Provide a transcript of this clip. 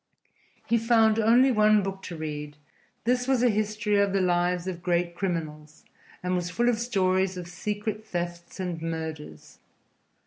He found only one book to read: this was a history of the lives of great criminals and was full of stories of secret thefts and murders.